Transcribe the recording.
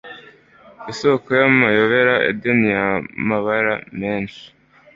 Isoko yamayobera Edeni yamabara menshi